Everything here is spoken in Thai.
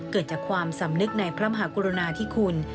เกิดจากความสำนึกในพระมหากรุณาธิคุณ